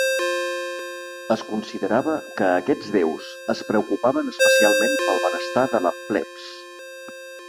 Es considerava que aquests déus es preocupaven especialment pel benestar de la "plebs".